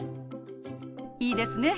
いいですね。